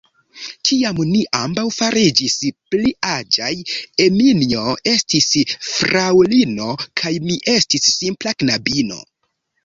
Kiam ni ambaŭ fariĝis pli aĝaj, Eminjo estis fraŭlino kaj mi estis simpla knabino.